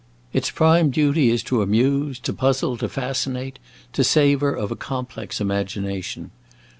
Its prime duty is to amuse, to puzzle, to fascinate, to savor of a complex imagination.